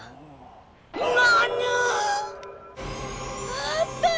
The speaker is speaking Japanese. ⁉あった！